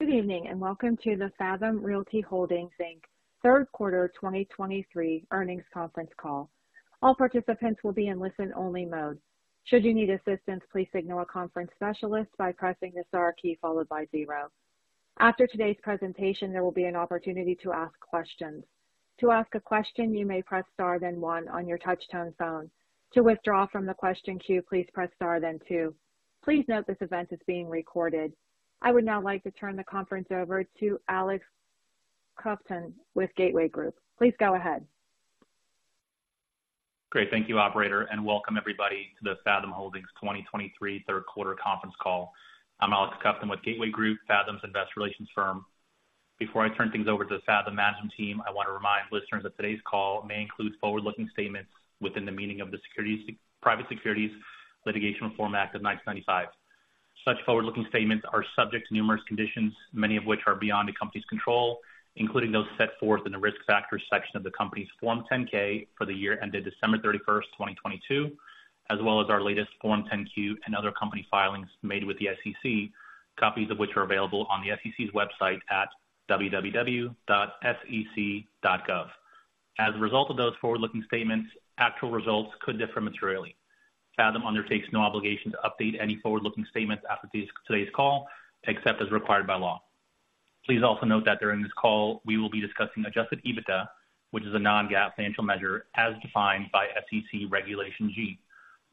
Good evening, and welcome to the Fathom Holdings Inc. third quarter 2023 earnings conference call. All participants will be in listen-only mode. Should you need assistance, please signal a conference specialist by pressing the star key followed by zero. After today's presentation, there will be an opportunity to ask questions. To ask a question, you may press star then one on your touchtone phone. To withdraw from the question queue, please press star then two. Please note this event is being recorded. I would now like to turn the conference over to Alex Houlton with Gateway Group. Please go ahead. Great. Thank you, operator, and welcome everybody to the Fathom Holdings 2023 third quarter conference call. I'm Alex Cupton with Gateway Group, Fathom's investor relations firm. Before I turn things over to the Fathom management team, I want to remind listeners that today's call may include forward-looking statements within the meaning of the Private Securities Litigation Reform Act of 1995. Such forward-looking statements are subject to numerous conditions, many of which are beyond the company's control, including those set forth in the Risk Factors section of the company's Form 10-K for the year ended December 31, 2022, as well as our latest Form 10-Q and other company filings made with the SEC, copies of which are available on the SEC's website at www.sec.gov. As a result of those forward-looking statements, actual results could differ materially. Fathom undertakes no obligation to update any forward-looking statements after today's call, except as required by law. Please also note that during this call, we will be discussing Adjusted EBITDA, which is a non-GAAP financial measure as defined by SEC Regulation G.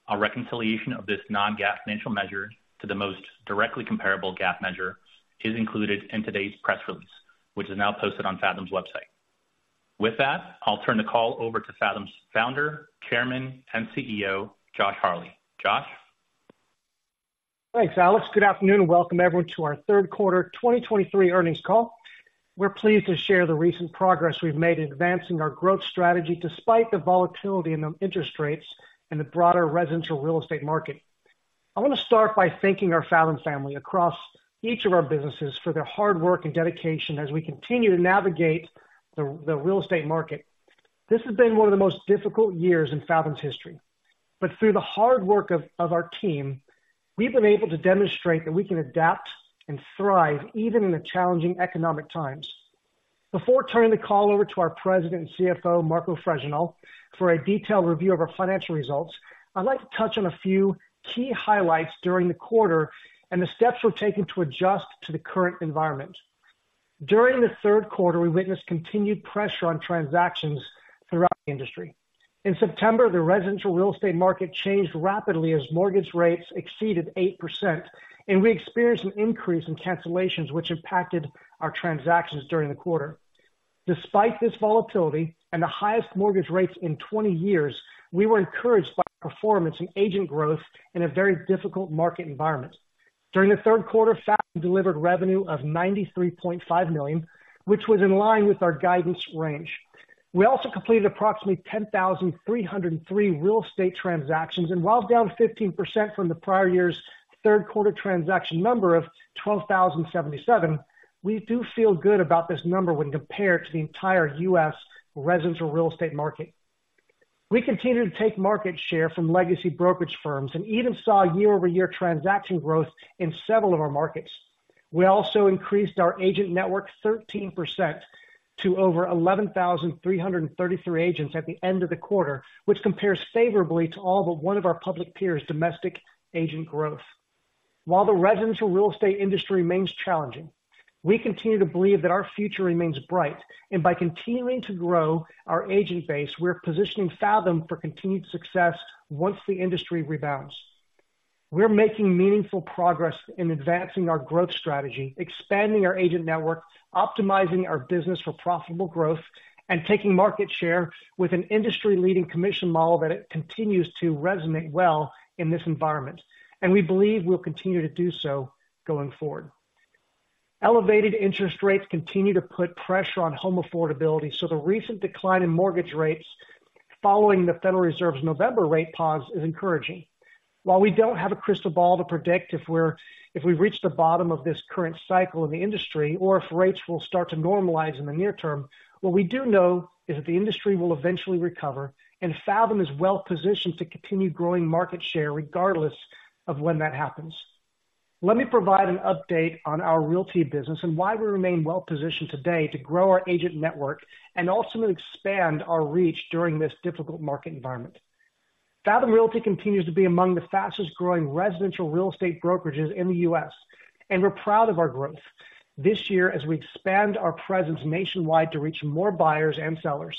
A reconciliation of this non-GAAP financial measure to the most directly comparable GAAP measure is included in today's press release, which is now posted on Fathom's website. With that, I'll turn the call over to Fathom's Founder, Chairman, and CEO, Josh Harley. Josh? Thanks, Alex. Good afternoon, and welcome everyone to our third quarter 2023 earnings call. We're pleased to share the recent progress we've made in advancing our growth strategy despite the volatility in the interest rates and the broader residential real estate market. I want to start by thanking our Fathom family across each of our businesses for their hard work and dedication as we continue to navigate the real estate market. This has been one of the most difficult years in Fathom's history. But through the hard work of our team, we've been able to demonstrate that we can adapt and thrive even in the challenging economic times. Before turning the call over to our President and CFO, Marco Fregenal, for a detailed review of our financial results, I'd like to touch on a few key highlights during the quarter and the steps we've taken to adjust to the current environment. During the third quarter, we witnessed continued pressure on transactions throughout the industry. In September, the residential real estate market changed rapidly as mortgage rates exceeded 8%, and we experienced an increase in cancellations, which impacted our transactions during the quarter. Despite this volatility and the highest mortgage rates in 20 years, we were encouraged by performance and agent growth in a very difficult market environment. During the third quarter, Fathom delivered revenue of $93.5 million, which was in line with our guidance range. We also completed approximately 10,303 real estate transactions, and while down 15% from the prior year's third quarter transaction number of 12,077, we do feel good about this number when compared to the entire U.S. residential real estate market. We continued to take market share from legacy brokerage firms and even saw year-over-year transaction growth in several of our markets. We also increased our agent network 13% to over 11,333 agents at the end of the quarter, which compares favorably to all but one of our public peers' domestic agent growth. While the residential real estate industry remains challenging, we continue to believe that our future remains bright, and by continuing to grow our agent base, we're positioning Fathom for continued success once the industry rebounds. We're making meaningful progress in advancing our growth strategy, expanding our agent network, optimizing our business for profitable growth, and taking market share with an industry-leading commission model that continues to resonate well in this environment, and we believe we'll continue to do so going forward. Elevated interest rates continue to put pressure on home affordability, so the recent decline in mortgage rates following the Federal Reserve's November rate pause is encouraging. While we don't have a crystal ball to predict if we've reached the bottom of this current cycle in the industry or if rates will start to normalize in the near term, what we do know is that the industry will eventually recover, and Fathom is well positioned to continue growing market share regardless of when that happens. Let me provide an update on our realty business and why we remain well positioned today to grow our agent network and ultimately expand our reach during this difficult market environment. Fathom Realty continues to be among the fastest-growing residential real estate brokerages in the U.S., and we're proud of our growth. This year, as we expand our presence nationwide to reach more buyers and sellers.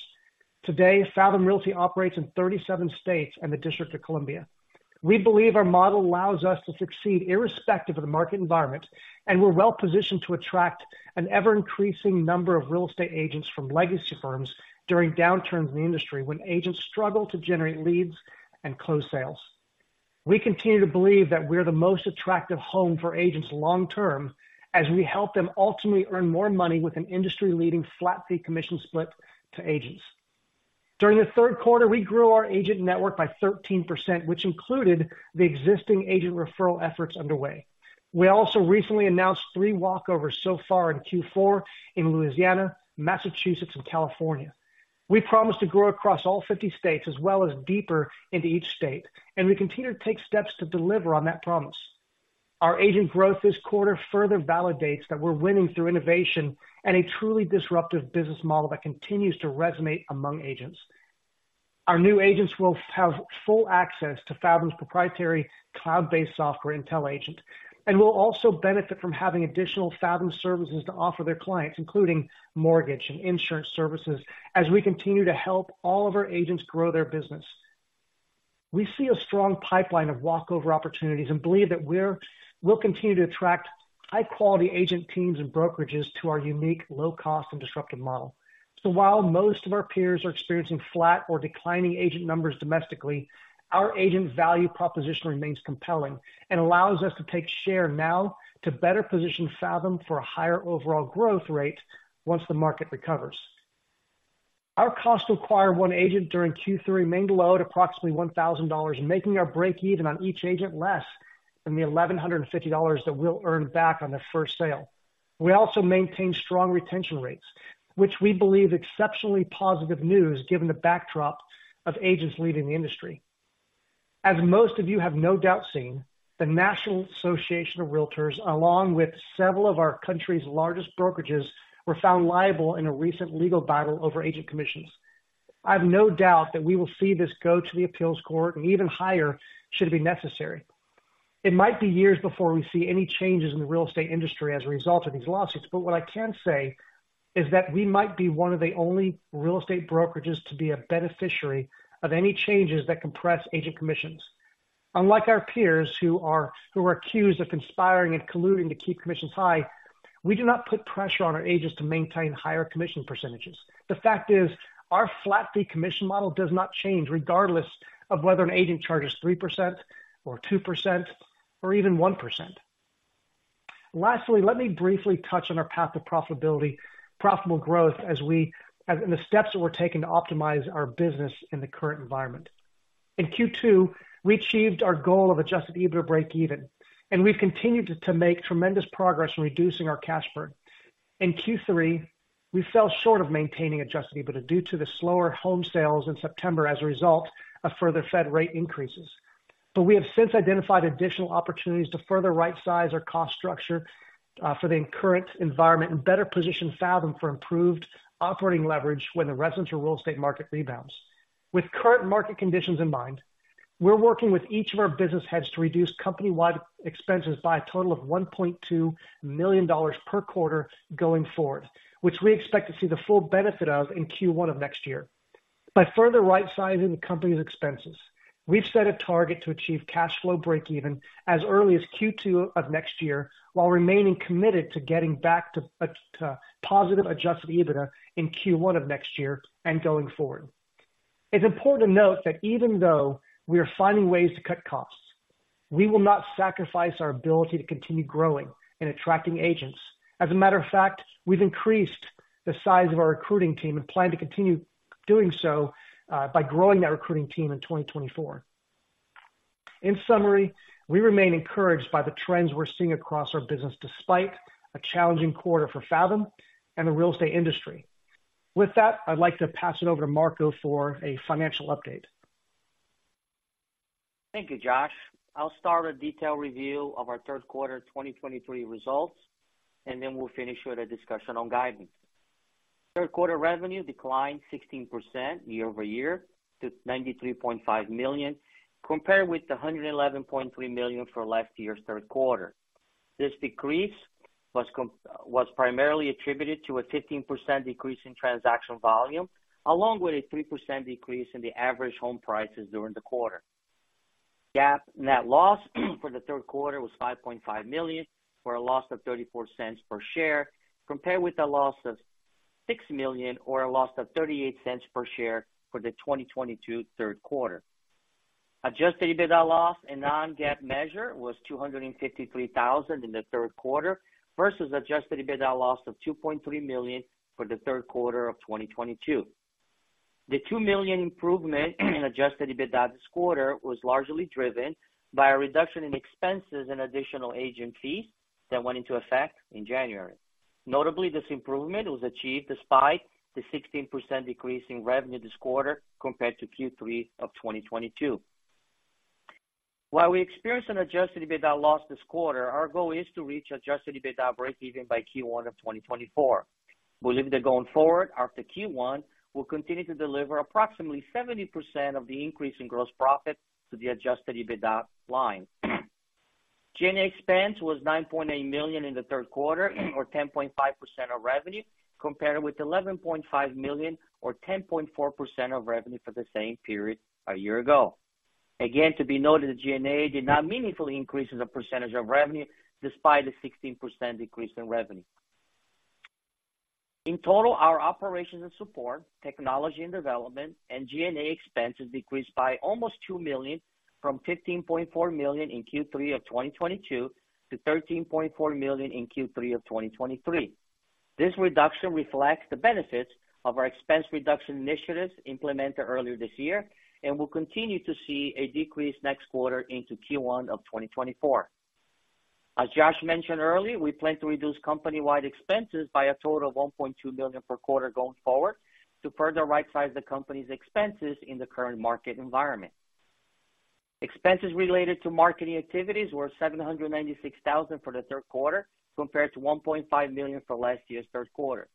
Today, Fathom Realty operates in 37 states and the District of Columbia. We believe our model allows us to succeed irrespective of the market environment, and we're well positioned to attract an ever-increasing number of real estate agents from legacy firms during downturns in the industry when agents struggle to generate leads and close sales. We continue to believe that we're the most attractive home for agents long term, as we help them ultimately earn more money with an industry-leading flat fee commission split to agents. During the third quarter, we grew our agent network by 13%, which included the existing agent referral efforts underway. We also recently announced 3 walkovers so far in Q4 in Louisiana, Massachusetts, and California. We promised to grow across all 50 states as well as deeper into each state, and we continue to take steps to deliver on that promise. Our agent growth this quarter further validates that we're winning through innovation and a truly disruptive business model that continues to resonate among agents. Our new agents will have full access to Fathom's proprietary cloud-based software intelliAgent, and will also benefit from having additional Fathom services to offer their clients, including mortgage and insurance services, as we continue to help all of our agents grow their business. We see a strong pipeline of walkover opportunities and believe that we'll continue to attract high quality agent teams and brokerages to our unique, low cost and disruptive model. So while most of our peers are experiencing flat or declining agent numbers domestically, our agent value proposition remains compelling and allows us to take share now to better position Fathom for a higher overall growth rate once the market recovers. Our cost to acquire one agent during Q3 remained low at approximately $1,000, making our breakeven on each agent less than the $1,150 that we'll earn back on the first sale. We also maintain strong retention rates, which we believe exceptionally positive news, given the backdrop of agents leaving the industry. As most of you have no doubt seen, the National Association of Realtors, along with several of our country's largest brokerages, were found liable in a recent legal battle over agent commissions. I have no doubt that we will see this go to the appeals court and even higher, should it be necessary. It might be years before we see any changes in the real estate industry as a result of these lawsuits, but what I can say is that we might be one of the only real estate brokerages to be a beneficiary of any changes that compress agent commissions. Unlike our peers, who are accused of conspiring and colluding to keep commissions high, we do not put pressure on our agents to maintain higher commission percentages. The fact is, our flat fee commission model does not change, regardless of whether an agent charges 3% or 2%, or even 1%. Lastly, let me briefly touch on our path to profitability, profitable growth as we and the steps that we're taking to optimize our business in the current environment. In Q2, we achieved our goal of adjusted EBITDA break even, and we've continued to make tremendous progress in reducing our cash burn. In Q3, we fell short of maintaining adjusted EBITDA, due to the slower home sales in September as a result of further Fed rate increases. But we have since identified additional opportunities to further rightsize our cost structure, for the current environment and better position Fathom for improved operating leverage when the residential real estate market rebounds. With current market conditions in mind, we're working with each of our business heads to reduce company-wide expenses by a total of $1.2 million per quarter going forward, which we expect to see the full benefit of in Q1 of next year. By further rightsizing the company's expenses, we've set a target to achieve cash flow break even as early as Q2 of next year, while remaining committed to getting back to, to positive Adjusted EBITDA in Q1 of next year and going forward. It's important to note that even though we are finding ways to cut costs, we will not sacrifice our ability to continue growing and attracting agents. As a matter of fact, we've increased the size of our recruiting team and plan to continue doing so, by growing that recruiting team in 2024. In summary, we remain encouraged by the trends we're seeing across our business, despite a challenging quarter for Fathom and the real estate industry. With that, I'd like to pass it over to Marco for a financial update. Thank you, Josh. I'll start a detailed review of our third quarter 2023 results, and then we'll finish with a discussion on guidance. Third quarter revenue declined 16% year-over-year to $93.5 million, compared with the $111.3 million for last year's third quarter. This decrease was was primarily attributed to a 15% decrease in transaction volume, along with a 3% decrease in the average home prices during the quarter. GAAP net loss for the third quarter was $5.5 million, for a loss of $0.34 per share, compared with a loss of $6 million or a loss of $0.38 per share for the 2022 third quarter. Adjusted EBITDA loss and non-GAAP measure was $253,000 in the third quarter, versus adjusted EBITDA loss of $2.3 million for the third quarter of 2022. The $2 million improvement in adjusted EBITDA this quarter was largely driven by a reduction in expenses and additional agent fees that went into effect in January. Notably, this improvement was achieved despite the 16% decrease in revenue this quarter compared to Q3 of 2022. While we experienced an adjusted EBITDA loss this quarter, our goal is to reach adjusted EBITDA break even by Q1 of 2024. We believe that going forward, after Q1, we'll continue to deliver approximately 70% of the increase in gross profit to the adjusted EBITDA line. G&A expense was $9.8 million in the third quarter, or 10.5% of revenue, compared with $11.5 million, or 10.4% of revenue for the same period a year ago. Again, to be noted, G&A did not meaningfully increase as a percentage of revenue, despite a 16% decrease in revenue. In total, our operations and support, technology and development, and G&A expenses decreased by almost $2 million, from $15.4 million in Q3 of 2022 to $13.4 million in Q3 of 2023. This reduction reflects the benefits of our expense reduction initiatives implemented earlier this year, and we'll continue to see a decrease next quarter into Q1 of 2024. As Josh mentioned earlier, we plan to reduce company-wide expenses by a total of $1.2 million per quarter going forward, to further rightsize the company's expenses in the current market environment. Expenses related to marketing activities were $796,000 for the third quarter, compared to $1.5 million for last year's third quarter.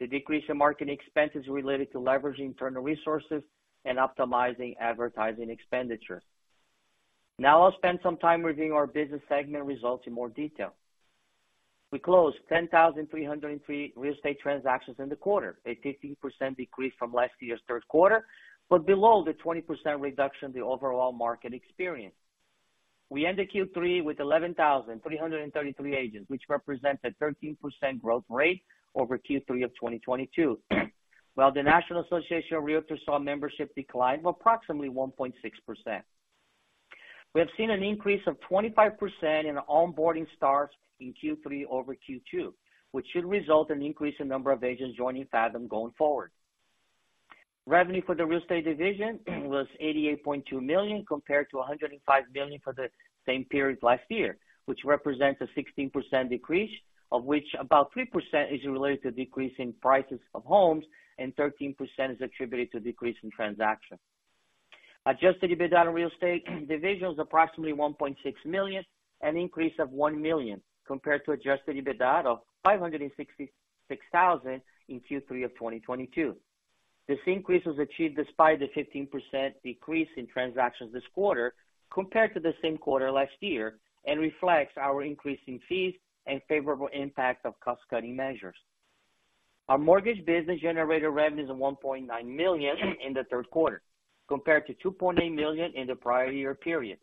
The decrease in marketing expenses related to leveraging internal resources and optimizing advertising expenditure. Now I'll spend some time reviewing our business segment results in more detail. We closed 10,303 real estate transactions in the quarter, a 15% decrease from last year's third quarter, but below the 20% reduction the overall market experienced. We ended Q3 with 11,333 agents, which represents a 13% growth rate over Q3 of 2022, while the National Association of Realtors saw a membership decline of approximately 1.6%. We have seen an increase of 25% in onboarding starts in Q3 over Q2, which should result in an increase in number of agents joining Fathom going forward. Revenue for the real estate division was $88.2 million, compared to $105 million for the same period last year, which represents a 16% decrease, of which about 3% is related to decreasing prices of homes and 13% is attributed to decrease in transaction. Adjusted EBITDA in real estate division is approximately $1.6 million, an increase of $1 million, compared to adjusted EBITDA of $566,000 in Q3 of 2022. This increase was achieved despite the 15% decrease in transactions this quarter, compared to the same quarter last year, and reflects our increase in fees and favorable impact of cost-cutting measures. Our mortgage business generated revenues of $1.9 million in the third quarter, compared to $2.8 million in the prior year period.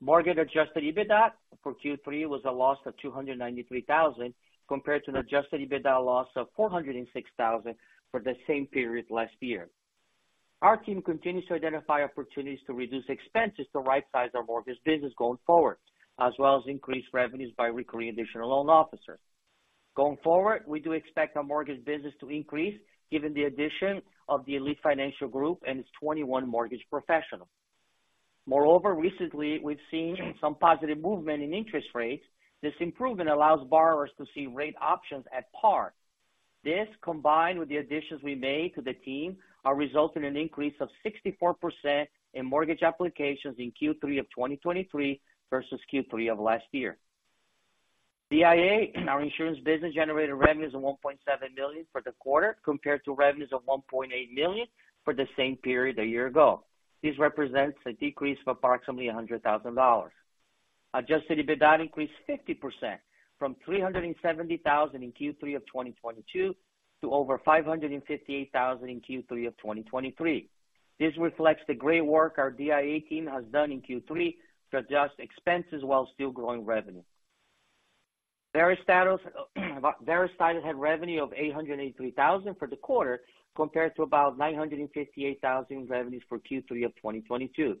Mortgage adjusted EBITDA for Q3 was a loss of $293,000, compared to an adjusted EBITDA loss of $406,000 for the same period last year. Our team continues to identify opportunities to reduce expenses to rightsize our mortgage business going forward, as well as increase revenues by recruiting additional loan officers. Going forward, we do expect our mortgage business to increase given the addition of the Elite Financial Group and its 21 mortgage professionals. Moreover, recently, we've seen some positive movement in interest rates. This improvement allows borrowers to see rate options at par. This, combined with the additions we made to the team, are resulting in an increase of 64% in mortgage applications in Q3 of 2023 versus Q3 of last year. DIA, our insurance business, generated revenues of $1.7 million for the quarter, compared to revenues of $1.8 million for the same period a year ago. This represents a decrease of approximately $100,000. Adjusted EBITDA increased 50% from $370,000 in Q3 of 2022 to over $558,000 in Q3 of 2023. This reflects the great work our DIA team has done in Q3 to adjust expenses while still growing revenue. Verus Title, Verus Title had revenue of $883,000 for the quarter, compared to about $958,000 in revenues for Q3 of 2022.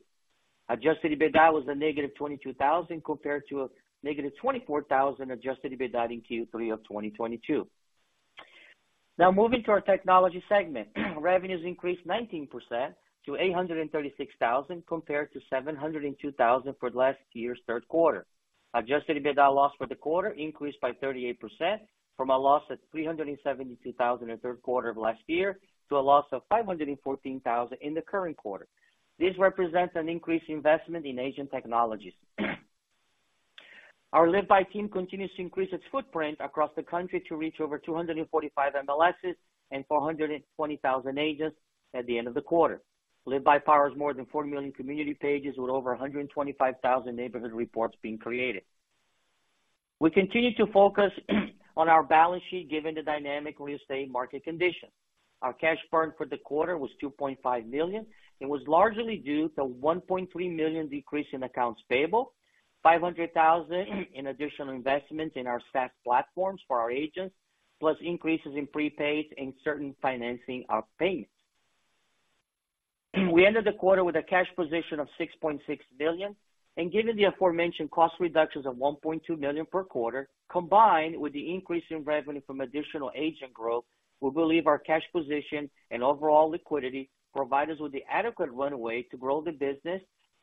Adjusted EBITDA was a negative $22,000, compared to a negative $24,000 adjusted EBITDA in Q3 of 2022. Now, moving to our technology segment. Revenues increased 19% to $836,000, compared to $702,000 for last year's third quarter. Adjusted EBITDA loss for the quarter increased by 38% from a loss of $372,000 in the third quarter of last year to a loss of $514,000 in the current quarter. This represents an increased investment in agent technologies. Our LiveBy team continues to increase its footprint across the country to reach over 245 MLSs and 420,000 agents at the end of the quarter. LiveBy powers more than 40 million community pages, with over 125,000 neighborhood reports being created. We continue to focus on our balance sheet given the dynamic real estate market conditions. Our cash burn for the quarter was $2.5 million and was largely due to $1.3 million decrease in accounts payable, $500,000 in additional investments in our SaaS platforms for our agents, plus increases in prepaids and certain financing of payments. We ended the quarter with a cash position of $6.6 billion, and given the aforementioned cost reductions of $1.2 million per quarter, combined with the increase in revenue from additional agent growth, we believe our cash position and overall liquidity provide us with the adequate runway to grow the business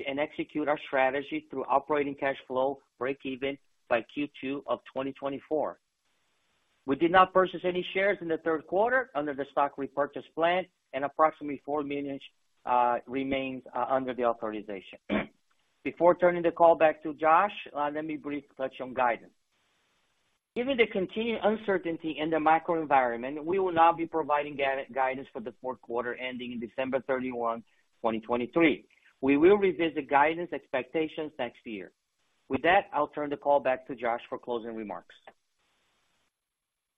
and execute our strategy through operating cash flow breakeven by Q2 of 2024. We did not purchase any shares in the third quarter under the stock repurchase plan, and approximately 4 million remains under the authorization. Before turning the call back to Josh, let me briefly touch on guidance. Given the continued uncertainty in the macro environment, we will not be providing guidance for the fourth quarter, ending in December 31, 2023. We will revisit guidance expectations next year. With that, I'll turn the call back to Josh for closing remarks.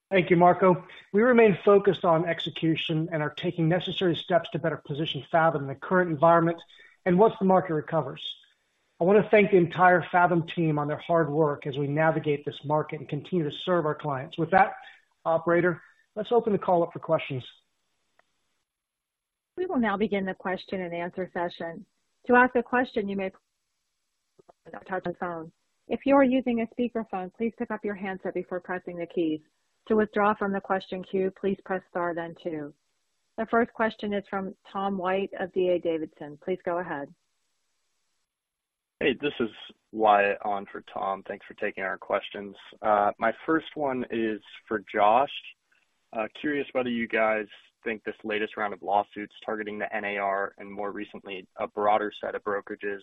Thank you, Marco. We remain focused on execution and are taking necessary steps to better position Fathom in the current environment and once the market recovers. I want to thank the entire Fathom team on their hard work as we navigate this market and continue to serve our clients. With that, operator, let's open the call up for questions. We will now begin the question-and-answer session. To ask a question, you may press on your phone. If you are using a speakerphone, please pick up your handset before pressing the keys. To withdraw from the question queue, please press star then two. The first question is from Tom White of D.A. Davidson. Please go ahead. Hey, this is Wyatt on for Tom. Thanks for taking our questions. My first one is for Josh. Curious whether you guys think this latest round of lawsuits targeting the NAR, and more recently, a broader set of brokerages,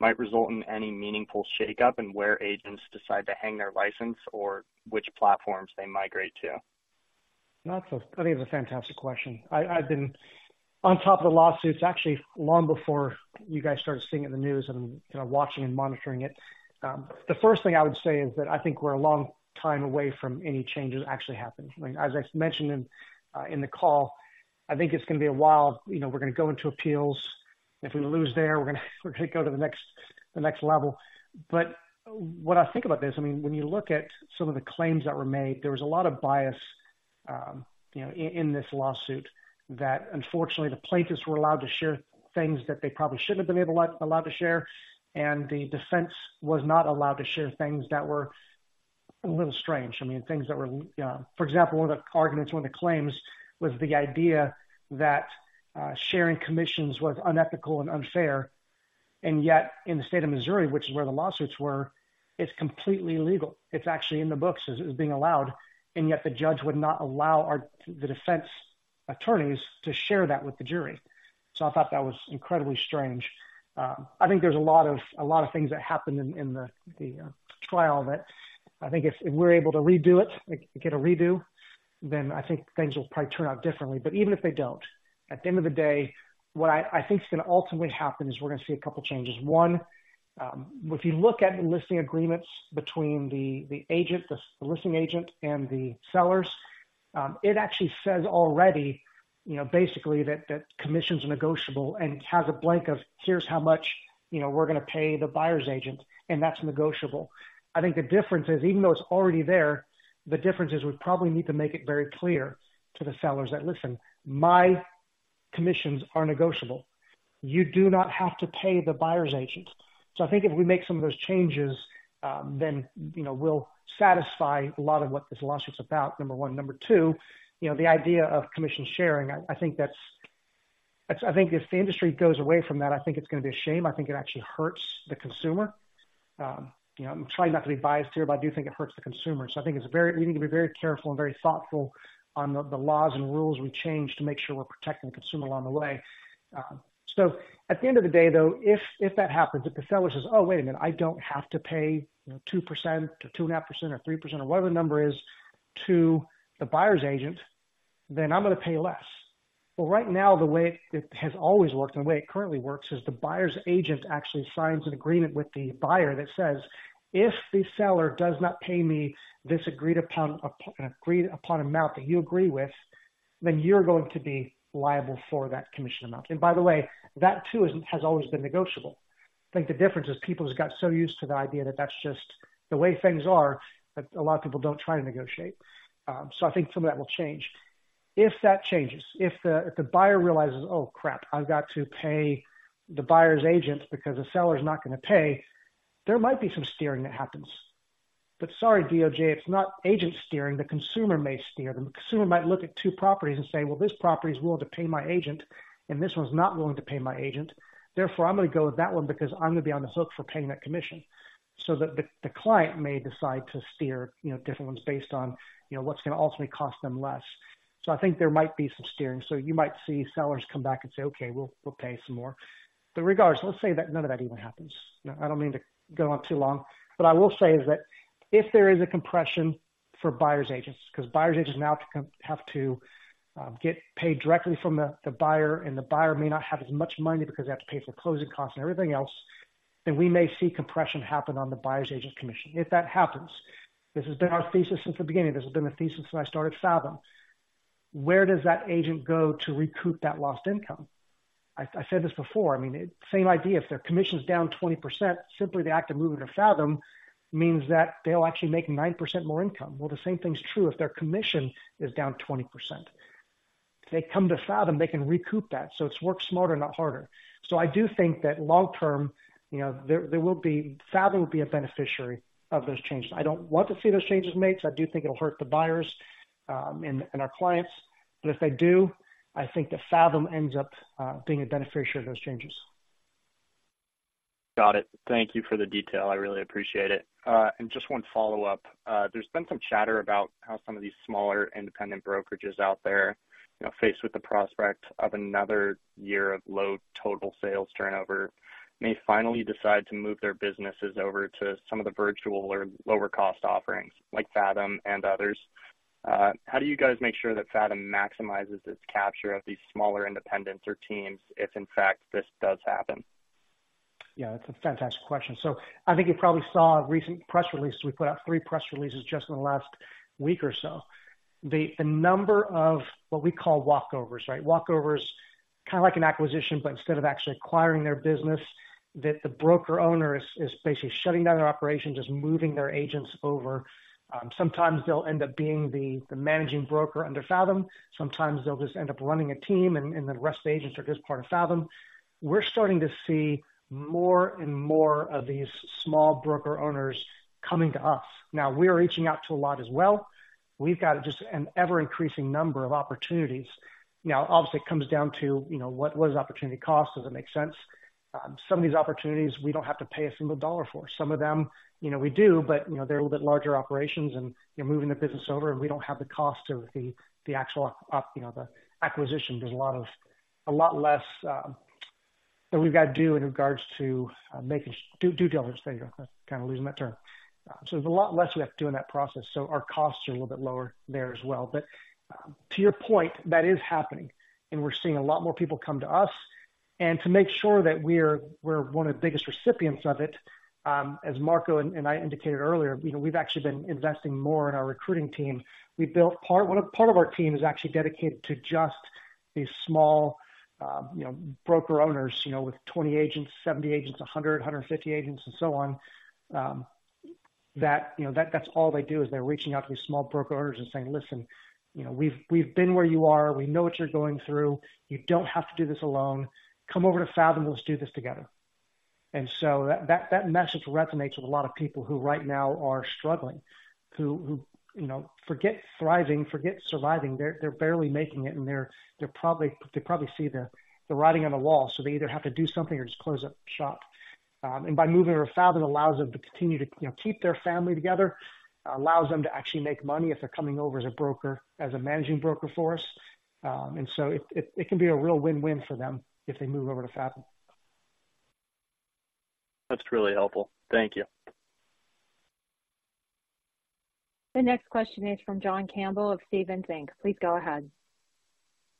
might result in any meaningful shakeup in where agents decide to hang their license or which platforms they migrate to? That's, I think it's a fantastic question. I've been on top of the lawsuits actually long before you guys started seeing it in the news and, you know, watching and monitoring it. The first thing I would say is that I think we're a long time away from any changes actually happening. As I mentioned in, in the call, I think it's gonna be a while. You know, we're gonna go into appeals. If we lose there, we're gonna go to the next level. But what I think about this, I mean, when you look at some of the claims that were made, there was a lot of bias, you know, in this lawsuit, that unfortunately, the plaintiffs were allowed to share things that they probably shouldn't have been able to share, and the defense was not allowed to share things that were a little strange. I mean, things that were. For example, one of the arguments, one of the claims was the idea that sharing commissions was unethical and unfair, and yet in the state of Missouri, which is where the lawsuits were, it's completely legal. It's actually in the books as being allowed, and yet the judge would not allow our, the defense attorneys to share that with the jury. So I thought that was incredibly strange. I think there's a lot of, a lot of things that happened in the trial, that I think if we're able to redo it, like, get a redo, then I think things will probably turn out differently. But even if they don't, at the end of the day, what I think is gonna ultimately happen is we're gonna see a couple changes. One, if you look at the listing agreements between the agent, the listing agent and the sellers, it actually says already, you know, basically, that commissions are negotiable and has a blank of here's how much, you know, we're gonna pay the buyer's agent, and that's negotiable. I think the difference is, even though it's already there, the difference is we probably need to make it very clear to the sellers that, "Listen, my commissions are negotiable. You do not have to pay the buyer's agent." So I think if we make some of those changes, then, you know, we'll satisfy a lot of what this lawsuit's about, number one. Number two, you know, the idea of commission sharing, I think that's. I think if the industry goes away from that, I think it's gonna be a shame. I think it actually hurts the consumer. You know, I'm trying not to be biased here, but I do think it hurts the consumer. So I think it's very We need to be very careful and very thoughtful on the laws and rules we change to make sure we're protecting the consumer along the way. So at the end of the day, though, if that happens, if the seller says, "Oh, wait a minute, I don't have to pay, you know, 2%-2.5% or 3%, or whatever the number is, to the buyer's agent, then I'm gonna pay less." Well, right now, the way it has always worked and the way it currently works is the buyer's agent actually signs an agreement with the buyer that says, "If the seller does not pay me this agreed-upon amount that you agree with, then you're going to be liable for that commission amount." And by the way, that too has always been negotiable. I think the difference is people just got so used to the idea that that's just the way things are, that a lot of people don't try to negotiate. So I think some of that will change. If that changes, if the buyer realizes, "Oh, crap, I've got to pay the buyer's agent because the seller is not gonna pay," there might be some steering that happens. But sorry, DOJ, it's not agent steering, the consumer may steer. The consumer might look at two properties and say: Well, this property is willing to pay my agent, and this one's not willing to pay my agent. Therefore, I'm gonna go with that one because I'm gonna be on the hook for paying that commission. So the client may decide to steer, you know, different ones based on, you know, what's gonna ultimately cost them less. So I think there might be some steering. So you might see sellers come back and say: Okay, we'll pay some more. But regardless, let's say that none of that even happens. I don't mean to go on too long, but I will say is that if there is a compression for buyer's agents, because buyer's agents now have to get paid directly from the buyer, and the buyer may not have as much money because they have to pay for closing costs and everything else, then we may see compression happen on the buyer's agent commission. If that happens, this has been our thesis since the beginning, this has been the thesis when I started Fathom: Where does that agent go to recoup that lost income? I said this before, I mean, same idea. If their commission is down 20%, simply the act of moving to Fathom means that they'll actually make 9% more income. Well, the same thing is true if their commission is down 20%. If they come to Fathom, they can recoup that, so it's work smarter, not harder. So I do think that long term, you know, there will be-- Fathom will be a beneficiary of those changes. I don't want to see those changes made, because I do think it'll hurt the buyers, and our clients. But if they do, I think that Fathom ends up being a beneficiary of those changes. Got it. Thank you for the detail. I really appreciate it. Just one follow-up. There's been some chatter about how some of these smaller independent brokerages out there, you know, faced with the prospect of another year of low total sales turnover, may finally decide to move their businesses over to some of the virtual or lower-cost offerings, like Fathom and others. How do you guys make sure that Fathom maximizes its capture of these smaller independents or teams, if in fact, this does happen? Yeah, that's a fantastic question. So I think you probably saw a recent press release. We put out 3 press releases just in the last week or so, the number of what we call walkovers, right? Walkovers, kind of like an acquisition, but instead of actually acquiring their business, that the broker owner is basically shutting down their operations, just moving their agents over. Sometimes they'll end up being the managing broker under Fathom. Sometimes they'll just end up running a team, and the rest of the agents are just part of Fathom. We're starting to see more and more of these small broker owners coming to us. Now, we are reaching out to a lot as well. We've got just an ever-increasing number of opportunities. Now, obviously, it comes down to, you know, what is opportunity cost? Does it make sense? Some of these opportunities, we don't have to pay a single dollar for. Some of them, you know, we do, but, you know, they're a little bit larger operations, and you're moving the business over, and we don't have the cost of the actual, the acquisition. There's a lot less that we've got to do in regards to due diligence. There you go. I'm kind of losing my term. So there's a lot less we have to do in that process, so our costs are a little bit lower there as well. But, to your point, that is happening, and we're seeing a lot more people come to us. And to make sure that we're one of the biggest recipients of it, as Marco and I indicated earlier, you know, we've actually been investing more in our recruiting team. Well, part of our team is actually dedicated to just these small, you know, broker-owners, you know, with 20 agents, 70 agents, 100, 150 agents, and so on. That, you know, that's all they do, is they're reaching out to these small broker-owners and saying: "Listen, you know, we've been where you are. We know what you're going through. You don't have to do this alone. Come over to Fathom, let's do this together." And so that message resonates with a lot of people who right now are struggling, who, you know, forget thriving, forget surviving. They're barely making it, and they're probably see the writing on the wall, so they either have to do something or just close up shop. And by moving over to Fathom, it allows them to continue to, you know, keep their family together, allows them to actually make money if they're coming over as a broker, as a managing broker for us. And so it can be a real win-win for them if they move over to Fathom. That's really helpful. Thank you. The next question is from John Campbell of Stephens Inc. Please go ahead.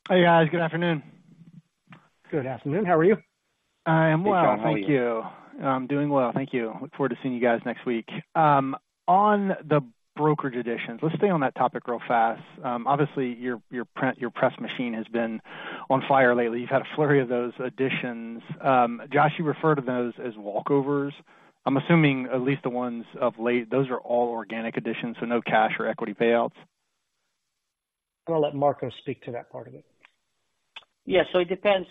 Hey, guys. Good afternoon. Good afternoon. How are you? I am well. Hey, John. How are you? Thank you. I'm doing well, thank you. Look forward to seeing you guys next week. On the brokerage additions, let's stay on that topic real fast. Obviously, your PR machine has been on fire lately. You've had a flurry of those additions. Josh, you refer to those as walkovers. I'm assuming at least the ones of late, those are all organic additions, so no cash or equity payouts. I'll let Marco speak to that part of it. Yeah, so it depends,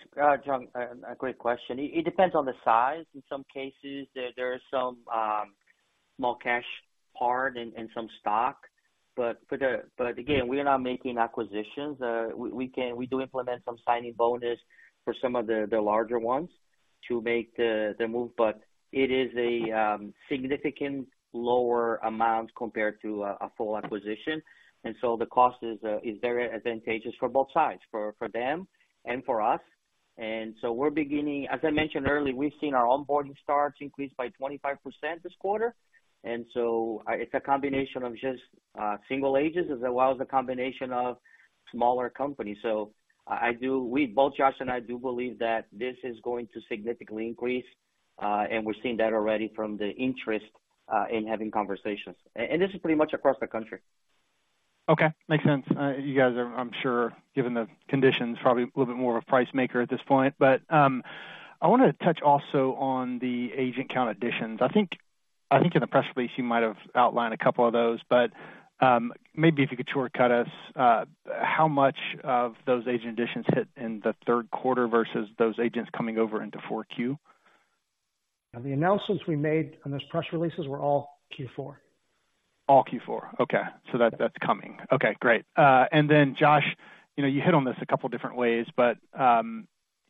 John, a great question. It depends on the size. In some cases, there is some small cash part and some stock. But again, we are not making acquisitions. We do implement some signing bonus for some of the larger ones to make the move, but it is a significant lower amount compared to a full acquisition, and so the cost is very advantageous for both sides, for them and for us. And so we're beginning. As I mentioned earlier, we've seen our onboarding starts increased by 25% this quarter, and so it's a combination of just single agents, as well as a combination of smaller companies. So we, both Josh and I, do believe that this is going to significantly increase, and we're seeing that already from the interest in having conversations. And this is pretty much across the country. Okay, makes sense. You guys are, I'm sure, given the conditions, probably a little bit more of a price maker at this point. But, I wanted to touch also on the agent count additions. I think in a press release, you might have outlined a couple of those, but, maybe if you could shortcut us, how much of those agent additions hit in the third quarter versus those agents coming over into four Q? The announcements we made on those press releases were all Q4. All Q4? Okay. Yeah. So that, that's coming. Okay, great. and then, Josh, you know, you hit on this a couple different ways, but,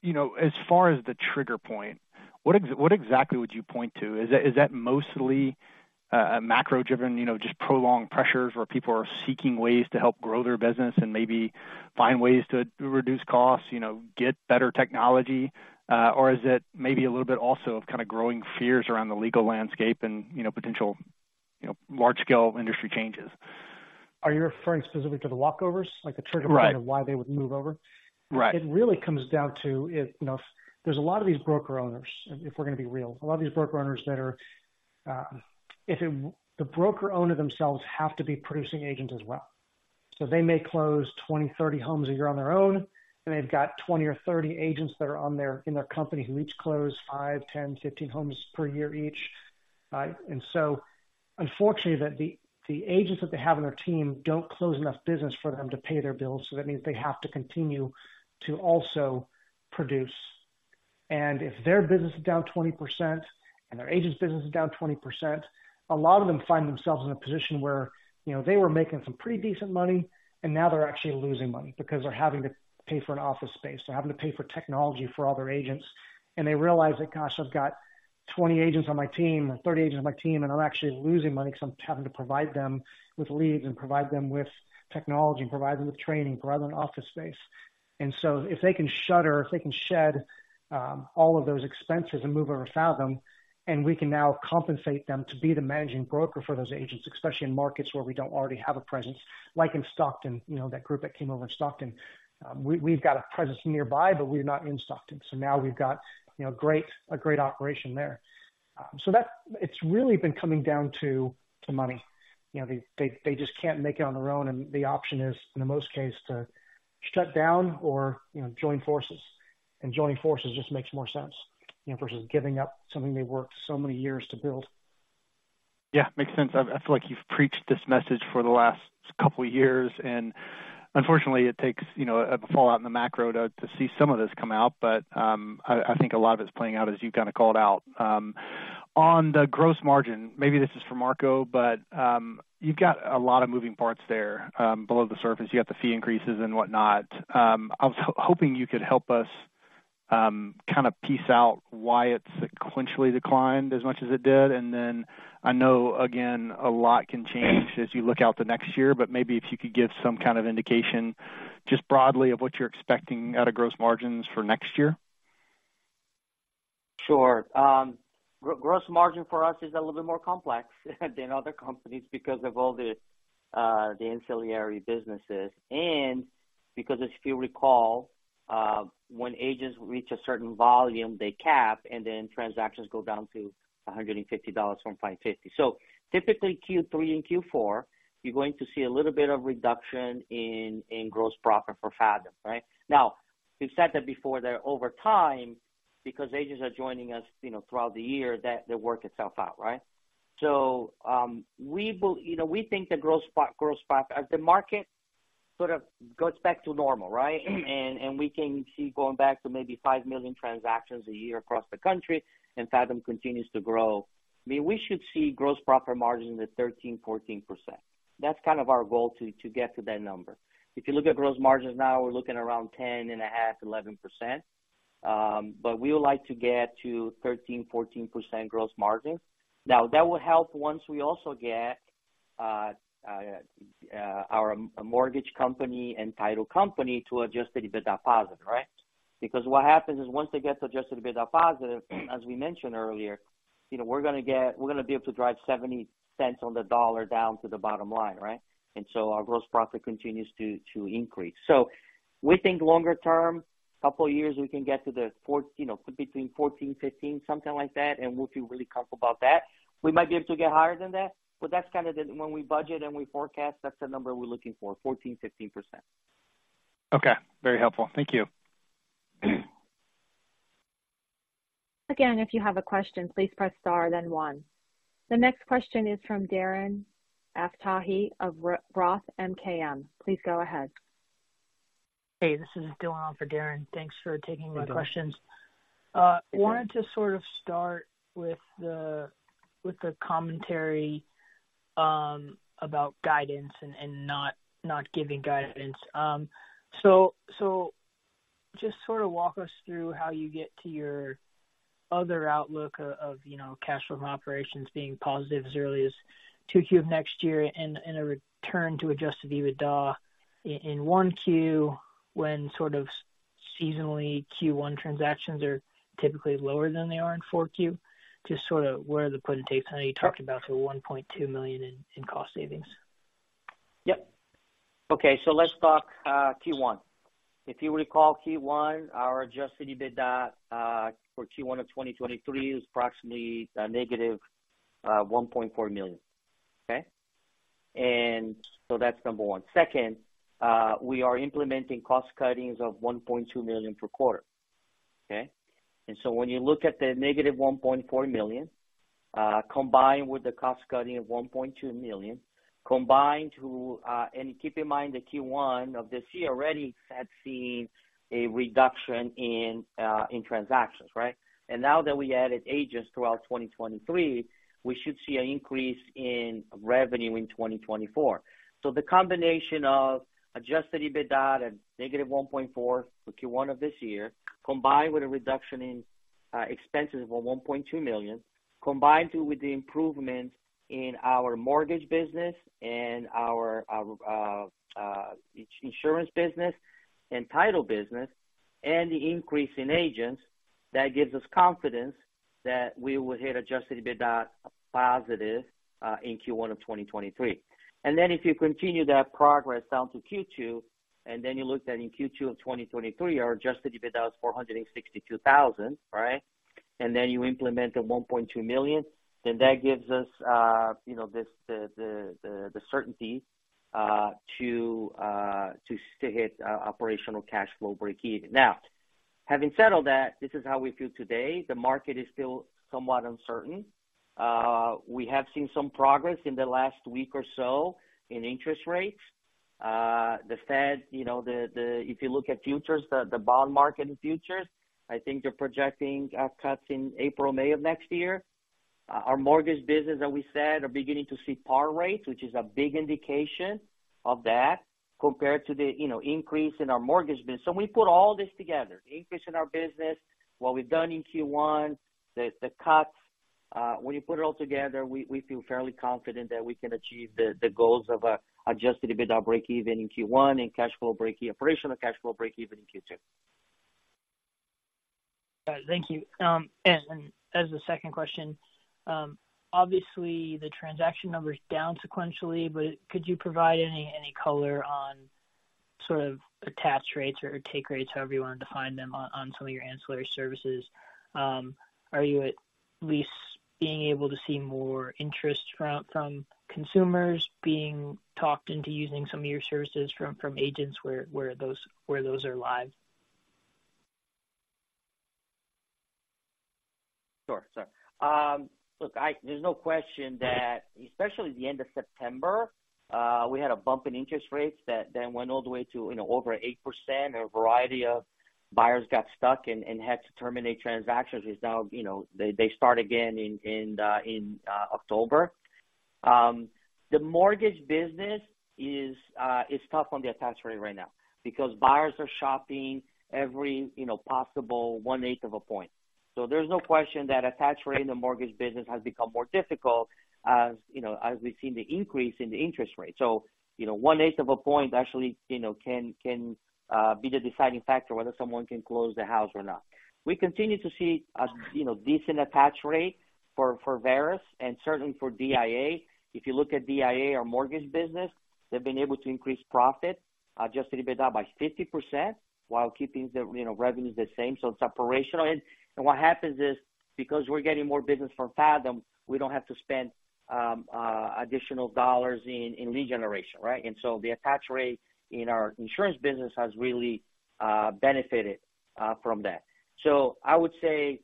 you know, as far as the trigger point, what exactly would you point to? Is that mostly a macro-driven, you know, just prolonged pressures where people are seeking ways to help grow their business and maybe find ways to reduce costs, you know, get better technology? Or is it maybe a little bit also of kind of growing fears around the legal landscape and, you know, potential, you know, large-scale industry changes? Are you referring specifically to the walkovers, like the trigger? Right. point of why they would move over? Right. It really comes down to if, you know, there's a lot of these broker-owners. If we're going to be real, a lot of these broker-owners that are The broker-owner themselves have to be producing agents as well. So they may close 20, 30 homes a year on their own, and they've got 20 or 30 agents that are on their, in their company, who each close 5, 10, 15 homes per year each. And so unfortunately, the agents that they have on their team don't close enough business for them to pay their bills, so that means they have to continue to also produce. And if their business is down 20% and their agents' business is down 20%, a lot of them find themselves in a position where, you know, they were making some pretty decent money, and now they're actually losing money because they're having to pay for an office space, they're having to pay for technology for all their agents. And they realize that, gosh, I've got 20 agents on my team, or 30 agents on my team, and I'm actually losing money because I'm having to provide them with leads and provide them with technology, provide them with training, provide them office space. And so if they can shutter, if they can shed all of those expenses and move over to Fathom, and we can now compensate them to be the managing broker for those agents, especially in markets where we don't already have a presence Like in Stockton, you know, that group that came over in Stockton. We've got a presence nearby, but we're not in Stockton. So now we've got, you know, a great operation there. It's really been coming down to money. You know, they just can't make it on their own, and the option is, in most cases, to shut down or, you know, join forces. Joining forces just makes more sense, you know, versus giving up something they worked so many years to build. Yeah, makes sense. I feel like you've preached this message for the last couple of years, and unfortunately, it takes, you know, a fallout in the macro to see some of this come out. But I think a lot of it's playing out as you kind of called out. On the gross margin, maybe this is for Marco, but you've got a lot of moving parts there below the surface. You got the fee increases and whatnot. I was hoping you could help us kind of piece out why it sequentially declined as much as it did. And then I know, again, a lot can change as you look out the next year, but maybe if you could give some kind of indication, just broadly, of what you're expecting out of gross margins for next year. Sure. Gross margin for us is a little bit more complex than other companies because of all the, the ancillary businesses, and because if you recall, when agents reach a certain volume, they cap, and then transactions go down to $150 from $550. So typically, Q3 and Q4, you're going to see a little bit of reduction in, in gross profit for Fathom, right? Now, we've said that before, that over time, because agents are joining us, you know, throughout the year, that they work itself out, right? So, we will. You know, we think the growth spot, growth spot, as the market sort of goes back to normal, right? And, and we can see going back to maybe 5 million transactions a year across the country, and Fathom continues to grow. I mean, we should see gross profit margin at 13%-14%. That's kind of our goal to get to that number. If you look at gross margins now, we're looking around 10.5%-11%. But we would like to get to 13%-14% gross margin. Now, that will help once we also get our a mortgage company and title company to Adjusted EBITDA positive, right? Because what happens is once they get to Adjusted EBITDA positive, as we mentioned earlier, you know, we're gonna get. We're gonna be able to drive $0.70 on the dollar down to the bottom line, right? And so our gross profit continues to increase. So we think longer term, a couple of years, we can get to the 4, you know, between 14, 15, something like that, and we'll feel really comfortable about that. We might be able to get higher than that, but that's kind of the, when we budget and we forecast, that's the number we're looking for, 14, 15%. Okay. Very helpful. Thank you. Again, if you have a question, please press Star, then One. The next question is from Darren Aftahi of Roth MKM. Please go ahead. Hey, this is Dylan on for Darren. Thanks for taking my questions. Wanted to sort of start with the commentary about guidance and not giving guidance. So just sort of walk us through how you get to your other outlook of, you know, cash from operations being positive as early as 2Q of next year and a return to Adjusted EBITDA in 1Q, when sort of seasonally Q1 transactions are typically lower than they are in 4Q. Just sort of where are the put and takes, how are you talking about the $1.2 million in cost savings? Yep. Okay, so let's talk, Q1. If you recall, Q1, our Adjusted EBITDA for Q1 of 2023 is approximately negative $1.4 million. Okay? And so that's number one. Second, we are implementing cost cuttings of $1.2 million per quarter. Okay? And so when you look at the negative $1.4 million combined with the cost cutting of $1.2 million, combined to, and keep in mind, the Q1 of this year already had seen a reduction in in transactions, right? And now that we added agents throughout 2023, we should see an increase in revenue in 2024. So the combination of Adjusted EBITDA at $-1.4 for Q1 of this year, combined with a reduction in expenses of $1.2 million, combined with the improvement in our mortgage business and our insurance business and title business, and the increase in agents, that gives us confidence that we will hit Adjusted EBITDA positive in Q1 of 2023. And then if you continue that progress down to Q2, and then you look at in Q2 of 2023, our Adjusted EBITDA was $462,000, right? And then you implement the $1.2 million, then that gives us, you know, this certainty to hit operational cash flow breakeven. Now, having said all that, this is how we feel today. The market is still somewhat uncertain. We have seen some progress in the last week or so in interest rates. The Fed, you know, if you look at futures, the bond market in futures, I think they're projecting cuts in April, May of next year. Our mortgage business, as we said, are beginning to see par rates, which is a big indication of that, compared to, you know, increase in our mortgage business. So we put all this together, the increase in our business, what we've done in Q1, the cuts. When you put it all together, we feel fairly confident that we can achieve the goals of Adjusted EBITDA breakeven in Q1 and cash flow breakeven, operational cash flow breakeven in Q2. Got it. Thank you. And as the second question, obviously, the transaction number is down sequentially, but could you provide any color on sort of attach rates or take rates, however you want to define them, on some of your ancillary services? Are you at least being able to see more interest from consumers being talked into using some of your services from agents where those are live? Sure. Sure. Look, there's no question that especially the end of September, we had a bump in interest rates that then went all the way to, you know, over 8%. A variety of buyers got stuck and had to terminate transactions. It's now, you know, they start again in October. The mortgage business is tough on the attach rate right now because buyers are shopping every, you know, possible one-eighth of a point. So there's no question that attach rate in the mortgage business has become more difficult as, you know, as we've seen the increase in the interest rate. So, you know, one-eighth of a point actually, you know, can be the deciding factor whether someone can close the house or not. We continue to see you know, decent attach rate for Verus, and certainly for DIA. If you look at DIA, our mortgage business, they've been able to increase profit just EBITDA by 50%, while keeping you know, revenues the same. So it's operational. And what happens is, because we're getting more business from Fathom, we don't have to spend additional dollars in lead generation, right? And so the attach rate in our insurance business has really benefited from that. So I would say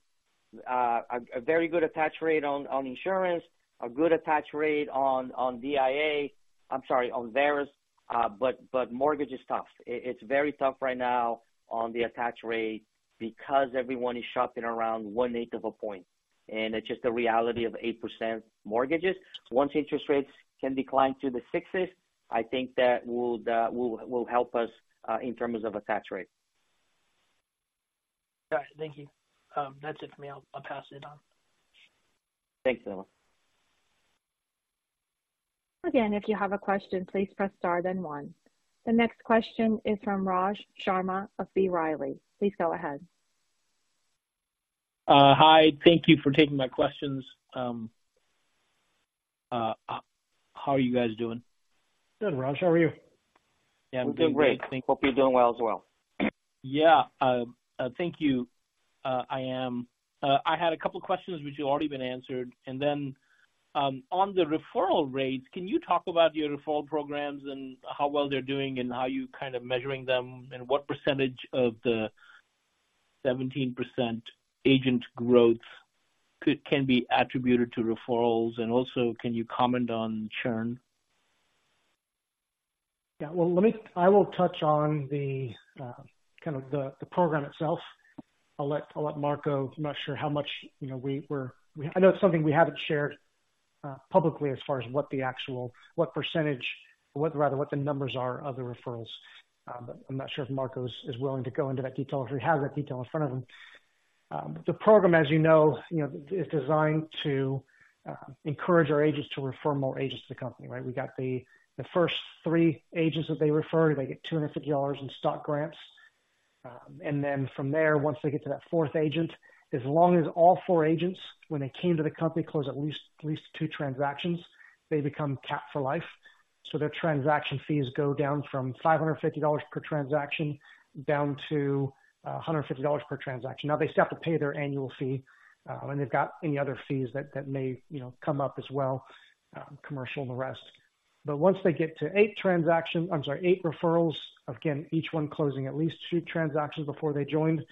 a very good attach rate on insurance, a good attach rate on DIA, I'm sorry, on Verus, but mortgage is tough. It's very tough right now on the attach rate because everyone is shopping around one-eighth of a point, and it's just the reality of 8% mortgages. Once interest rates can decline to the sixes, I think that will help us in terms of attach rate. Got it. Thank you. That's it for me. I'll, I'll pass it on. Thanks, Dylan. Again, if you have a question, please press Star, then one. The next question is from Raj Sharma of B. Riley. Please go ahead. Hi, thank you for taking my questions. How are you guys doing? Good, Raj. How are you? Yeah, I'm doing good. We're doing great. Hope you're doing well as well. Yeah. Thank you. I had a couple questions which have already been answered. And then, on the referral rates, can you talk about your referral programs and how well they're doing and how you're kind of measuring them, and what percentage of the 17% agent growth can be attributed to referrals? And also, can you comment on churn? Yeah. Well, let me—I will touch on the kind of the program itself. I'll let Marco. I'm not sure how much, you know, we know it's something we haven't shared publicly as far as what the actual percentage, rather, what the numbers are of the referrals. But I'm not sure if Marco is willing to go into that detail or if he has that detail in front of him. The program, as you know, you know, is designed to encourage our agents to refer more agents to the company, right? We got the first three agents that they refer, they get $250 in stock grants. And then from there, once they get to that fourth agent, as long as all four agents, when they came to the company, close at least two transactions, they become capped for life. So their transaction fees go down from $550 per transaction, down to a $150 per transaction. Now, they still have to pay their annual fee, and they've got any other fees that may, you know, come up as well, commercial and the rest. But once they get to eight transactions, i'm sorry, eight referrals, again, each one closing at least two transactions before they joined,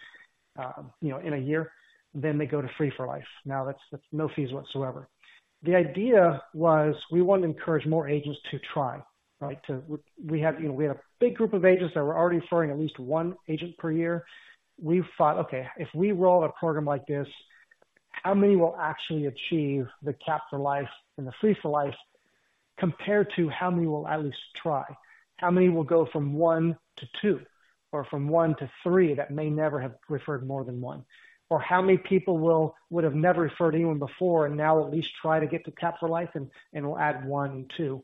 you know, in a year, then they go to Free for Life. Now, that's no fees whatsoever. The idea was we wanted to encourage more agents to try, right? We had, you know, we had a big group of agents that were already referring at least one agent per year. We thought, okay, if we roll a program like this, how many will actually achieve the capped for life and the free for life, compared to how many will at least try? How many will go from one to two or from one to three, that may never have referred more than one? Or how many people would have never referred anyone before, and now at least try to get to capped for life and will add one and two,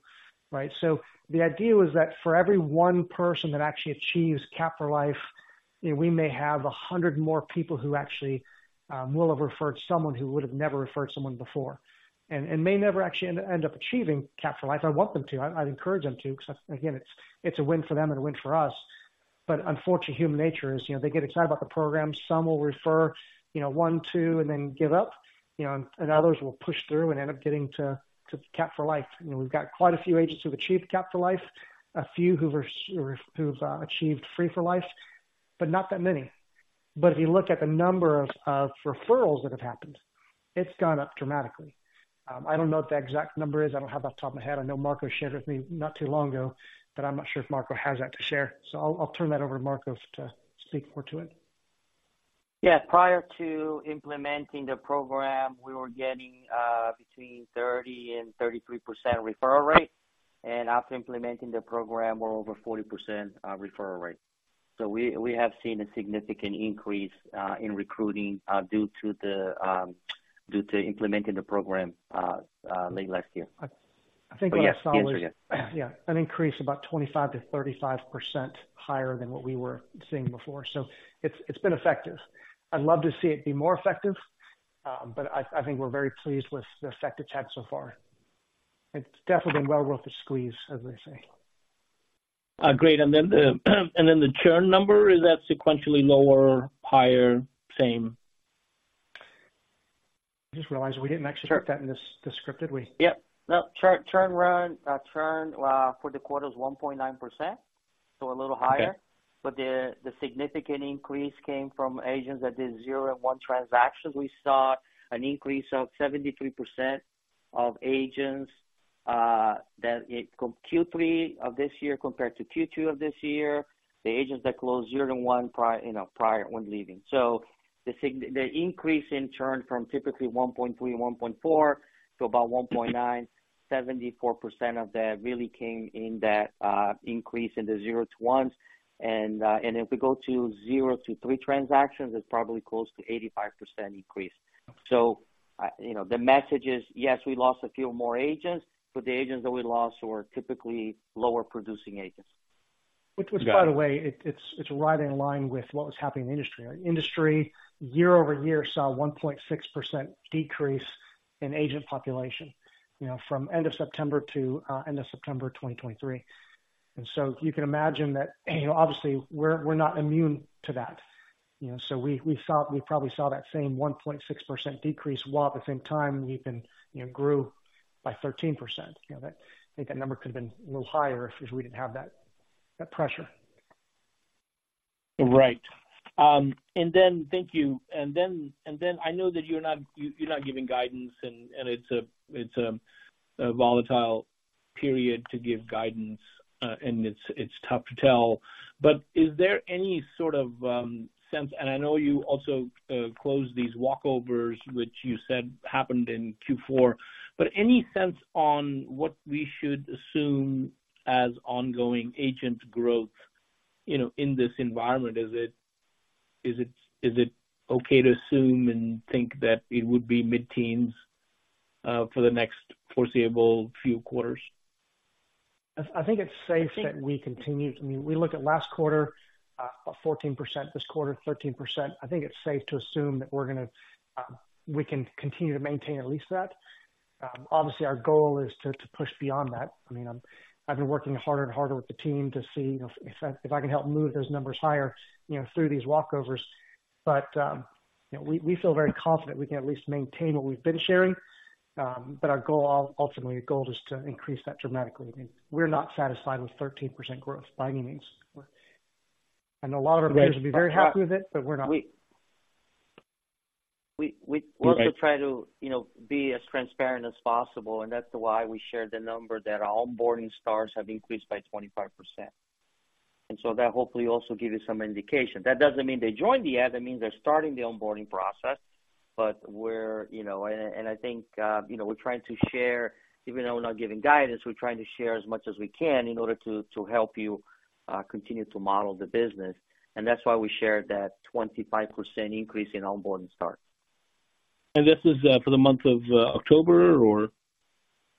right? So the idea was that for every one person that actually achieves capped for life, you know, we may have a hundred more people who actually will have referred someone who would have never referred someone before. may never actually end up achieving capped for life. I want them to. I'd encourage them to, because again, it's a win for them and a win for us. But unfortunately, human nature is, you know, they get excited about the program. Some will refer, you know, one, two, and then give up, you know, and others will push through and end up getting to capped for life. You know, we've got quite a few agents who've achieved capped for life, a few who've achieved free for life, but not that many. But if you look at the number of referrals that have happened, it's gone up dramatically. I don't know what the exact number is. I don't have that off the top of my head. I know Marco shared it with me not too long ago, but I'm not sure if Marco has that to share. So I'll turn that over to Marco to speak more to it. Yeah. Prior to implementing the program, we were getting, between 30 and 33% referral rate, and after implementing the program, we're over 40%, referral rate. So we, we have seen a significant increase, in recruiting, due to the, due to implementing the program, late last year, i think, yeah, an increase about 25%-35% higher than what we were seeing before. So it's, it's been effective. I'd love to see it be more effective, but I, I think we're very pleased with the effect it's had so far. It's definitely been well worth the squeeze, as they say. Great. And then the churn number, is that sequentially lower, higher, same? I just realized we didn't actually put that in this, the script, did we? Yep. No. Churn for the quarter is 1.9%, so a little higher. Okay. But the significant increase came from agents that did zero to one transactions. We saw an increase of 73% of agents that in Q3 of this year, compared to Q2 of this year, the agents that closed zero to one—you know, prior when leaving. So the—the increase in churn from typically 1.3, 1.4 to about 1.9, 74% of that really came in that increase in the zero to ones. And if we go to zero to three transactions, it's probably close to 85% increase. So you know, the message is, yes, we lost a few more agents, but the agents that we lost were typically lower producing agents. Which, by the way, it's right in line with what was happening in the industry. Our industry, year-over-year, saw a 1.6% decrease in agent population, you know, from end of September to end of September 2023. And so you can imagine that, you know, obviously, we're not immune to that. You know, so we saw, we probably saw that same 1.6% decrease, while at the same time we even, you know, grew by 13%. You know, that, I think that number could have been a little higher if we didn't have that pressure. Right. And then thank you. And then I know that you're not, you, you're not giving guidance, and it's a volatile period to give guidance, and it's tough to tell. But is there any sort of sense? And I know you also closed these walkovers, which you said happened in Q4, but any sense on what we should assume as ongoing agent growth, you know, in this environment? Is it okay to assume and think that it would be mid-teens for the next foreseeable few quarters? I think it's safe that we continue. I mean, we looked at last quarter, 14%, this quarter, 13%. I think it's safe to assume that we're gonna, we can continue to maintain at least that. Obviously, our goal is to push beyond that. I mean, I've been working harder and harder with the team to see if I can help move those numbers higher, you know, through these walkovers. But, you know, we feel very confident we can at least maintain what we've been sharing. But our goal, ultimately, our goal is to increase that dramatically. I mean, we're not satisfied with 13% growth by any means. And a lot of our peers will be very happy with it, but we're not. We, we- Okay. We also try to, you know, be as transparent as possible, and that's why we shared the number, that our onboarding starts have increased by 25%. And so that hopefully also gives you some indication. That doesn't mean they joined yet, that means they're starting the onboarding process. But we're, you know, and I think, you know, we're trying to share, even though we're not giving guidance, we're trying to share as much as we can in order to help you continue to model the business, and that's why we shared that 25% increase in onboarding start. And this is for the month of October, or?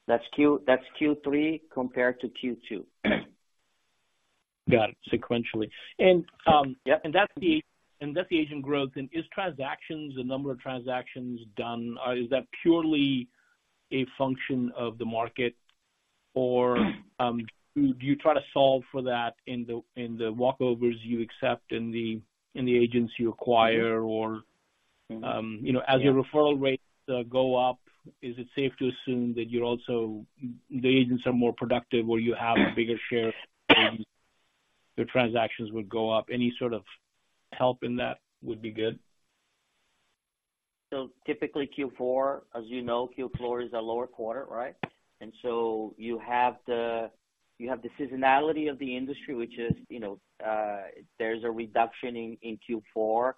That's Q, that's Q3 compared to Q2. Got it. Sequentially. Yep. That's the agent growth. And the transactions, the number of transactions done, is that purely a function of the market? Or, do you try to solve for that in the walkovers you accept and the agents you acquire? Or, you know- Yeah. As your referral rates go up, is it safe to assume that you're also, the agents are more productive, or you have a bigger share, and your transactions would go up? Any sort of help in that would be good. So typically, Q4, as you know, Q4 is a lower quarter, right? And so you have the seasonality of the industry, which is, you know, there's a reduction in Q4.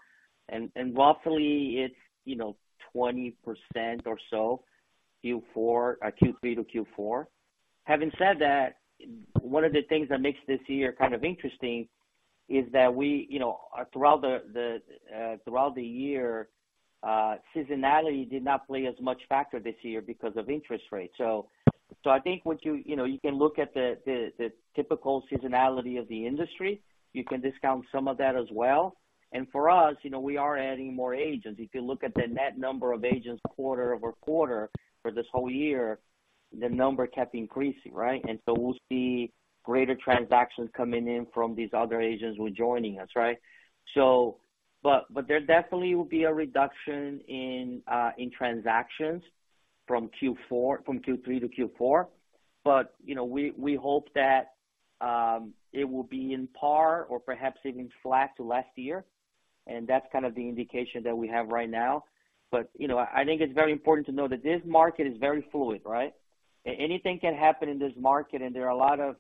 And roughly it's, you know, 20% or so, Q4, Q3 to Q4. Having said that, one of the things that makes this year kind of interesting is that we, you know, throughout the year, seasonality did not play as much factor this year because of interest rates. So I think what you, you know, you can look at the typical seasonality of the industry. You can discount some of that as well. And for us, you know, we are adding more agents. If you look at the net number of agents quarter-over-quarter for this whole year, the number kept increasing, right? And so we'll see greater transactions coming in from these other agents who are joining us, right? So, but, but there definitely will be a reduction in transactions from Q3 to Q4. But, you know, we hope that it will be on par or perhaps even flat to last year, and that's kind of the indication that we have right now. But, you know, I think it's very important to know that this market is very fluid, right? Anything can happen in this market, and there are a lot of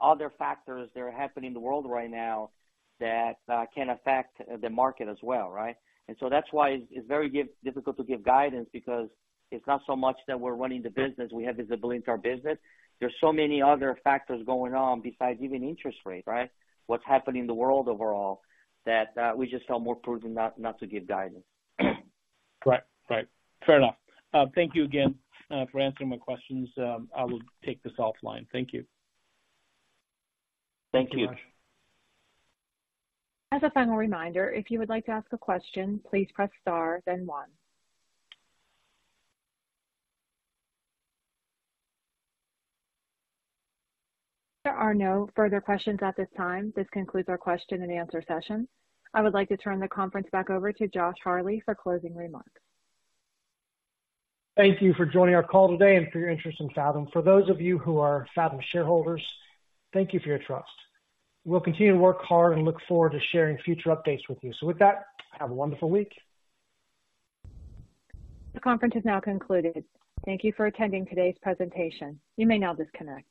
other factors that are happening in the world right now that can affect the market as well, right? And so that's why it's very difficult to give guidance, because it's not so much that we're running the business, we have visibility into our business. There's so many other factors going on besides even interest rates, right? What's happening in the world overall, that we just feel more prudent not to give guidance. Right. Right. Fair enough. Thank you again for answering my questions. I will take this offline. Thank you. Thank you. As a final reminder, if you would like to ask a question, please press Star, then One. There are no further questions at this time. This concludes our question and answer session. I would like to turn the conference back over to Josh Harley for closing remarks. Thank you for joining our call today and for your interest in Fathom. For those of you who are Fathom shareholders, thank you for your trust. We'll continue to work hard and look forward to sharing future updates with you. So with that, have a wonderful week. The conference is now concluded. Thank you for attending today's presentation. You may now disconnect.